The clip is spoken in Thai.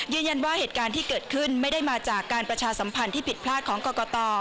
เหตุการณ์ที่เกิดขึ้นไม่ได้มาจากการประชาสัมพันธ์ที่ผิดพลาดของกรกต